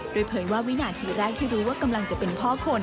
โดยเผยว่าวินาทีแรกที่รู้ว่ากำลังจะเป็นพ่อคน